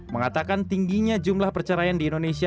mengatakan tingginya jumlah perceraian di indonesia